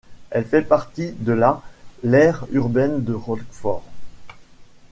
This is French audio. Elle fait partie de la l'Aire urbaine de Rockford.